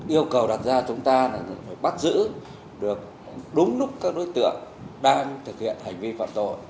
yêu cầu đặt ra chúng ta là phải bắt giữ được đúng lúc các đối tượng đang thực hiện hành vi phạm tội